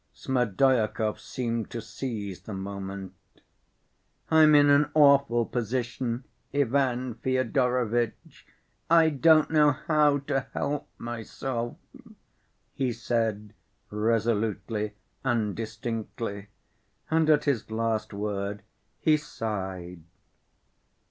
Smerdyakov seemed to seize the moment. "I'm in an awful position, Ivan Fyodorovitch. I don't know how to help myself," he said resolutely and distinctly, and at his last word he sighed.